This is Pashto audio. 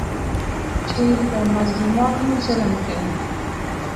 چې په مظلومانو ظلم کوي.